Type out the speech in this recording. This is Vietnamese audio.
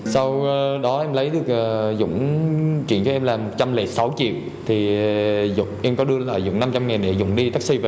sau đó em lấy được dũng chuyện cho em là một trăm linh sáu triệu thì em có đưa lại dũng năm trăm linh nghìn để dũng đi taxi về